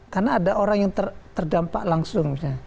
karena ada orang yang terdampak langsung